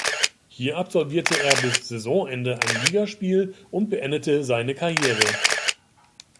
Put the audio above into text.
Hier absolvierte er bis Saisonende ein Ligaspiel und beendete seine Karriere.